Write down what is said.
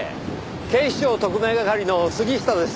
警視庁特命係の杉下です。